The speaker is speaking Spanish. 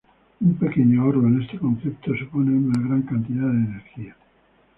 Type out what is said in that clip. Un pequeño ahorro en este concepto supone una gran cantidad de energía.